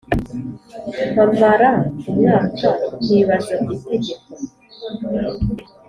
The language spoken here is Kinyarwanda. mpamara umwaka nkibaza itegeko